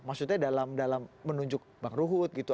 maksudnya dalam menunjuk bang ruhut gitu